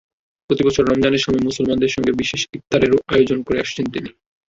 প্রতিবছর রমজানের সময় মুসলমানদের সঙ্গে বিশেষ ইফতারেরও আয়োজন করে আসছেন তিনি।